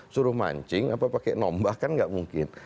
suruh mancing apa pakai nombah kan nggak mungkin